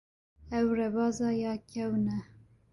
Ev rêbeza ya kevin e.